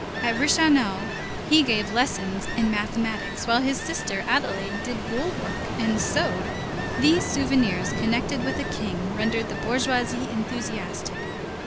At Reichenau, he gave lessons in mathematics, while his sister Adelaide did wool work and sewed. These souvenirs connected with a king rendered the bourgeoisie enthusiastic.